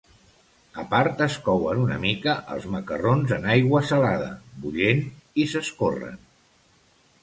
A part, es couen una mica els macarrons en aigua salada bullent i s'escorren.